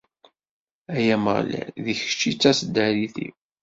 Ay Ameɣlal, d kečč i d taseddarit-iw!